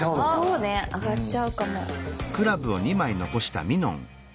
そうねあがっちゃうかも。